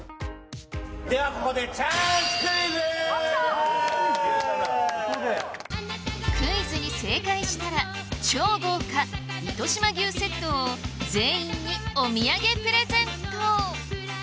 ではここでクイズに正解したら超豪華糸島牛セットを全員にお土産プレゼント！